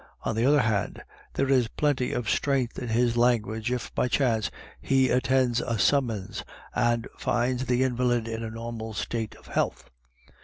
On the other hand, there is plenty of •strength in his language, if by chance he attends a summons, and finds the invalid in a normal state of health.